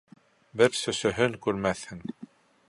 Бер сөсөһөн күрмәҫһең.